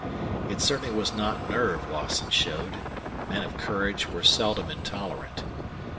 It certainly was not nerve Lawson showed; men of courage were seldom intolerant.